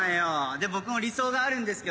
で僕も理想があるんですけどね。